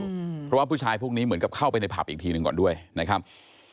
เพราะว่าผู้ชายพวกนี้เหมือนกับเข้าไปในผับอีกทีหนึ่งก่อนด้วยนะครับ